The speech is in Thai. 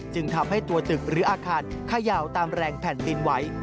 จึงทำให้ตัวตึกหรืออาคารเขย่าตามแรงแผ่นดินไหว